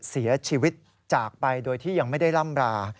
เสียชีวิตจากไปโดยที่ยังไม่ได้ล่ำรา